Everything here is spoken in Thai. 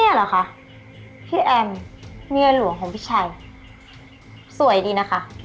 เหรอคะพี่แอมเมียหลวงของพี่ชัยสวยดีนะคะ